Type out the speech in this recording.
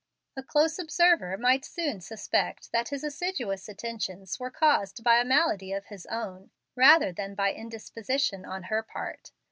A close observer might soon suspect that his assiduous attentions were caused by a malady of his own rather than by indisposition on her part.